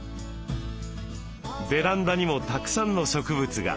ベランダにもたくさんの植物が。